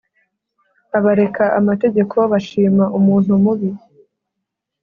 Abareka amategeko bashima umuntu mubi